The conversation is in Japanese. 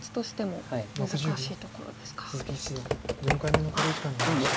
鈴木七段４回目の考慮時間に入りました。